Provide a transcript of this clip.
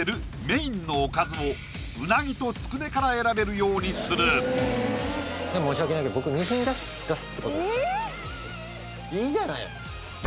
メインのおかずをうなぎとつくねから選べるようにする申し訳ないけど僕２品出すってことですね